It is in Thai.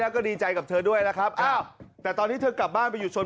เย็นพี่แก่แล้วภาระเยอะเอาพี่ไว้ก่อน